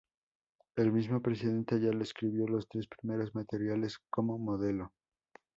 El mismo presidente Ayala escribió los tres primeros materiales como modelo.